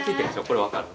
これ分かる？